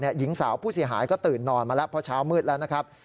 หญิงสาวผู้เสียหายก็ตื่นนอนมาแล้วเพราะเช้ามืดแล้วนะครับ